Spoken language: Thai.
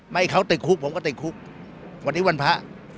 ให้เขาติดคุกผมก็ติดคุกวันนี้วันพระ